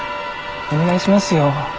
お願いしますよ。